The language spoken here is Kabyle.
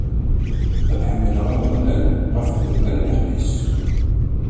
Ad ḥemdeɣ Ameɣlal ɣef ddemma n lḥeqq-is.